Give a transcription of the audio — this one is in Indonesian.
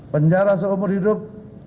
penjara seumur hidup